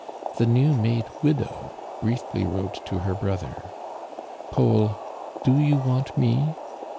The new made widow briefly wrote to her bro ther: "Paul, do you want me?"